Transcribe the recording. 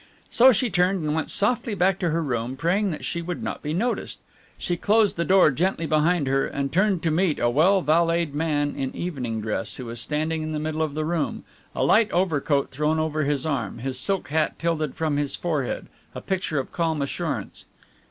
So she turned and went softly back to her room, praying that she would not be noticed. She closed the door gently behind her and turned to meet a well valeted man in evening dress who was standing in the middle of the room, a light overcoat thrown over his arm, his silk hat tilted back from his forehead, a picture of calm assurance.